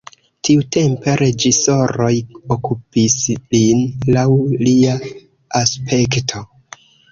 Tiutempe reĝisoroj okupis lin laŭ lia aspekto.